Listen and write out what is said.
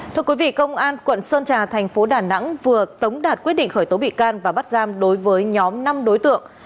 thưa quý vị công an quận sơn trà thành phố đà nẵng vừa tống đạt quyết định khởi tố bị can và bắt giam đối với nhóm năm đối tượng